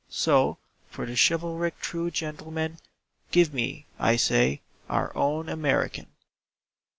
So, for the chivalric true gentleman, Give me, I say, our own American.